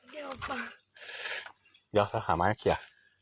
เดี๋ยวหามาให้เคลียร์